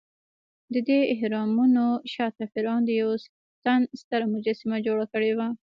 دهمدې اهرامونو شاته فرعون د یوه تن ستره مجسمه جوړه کړې وه.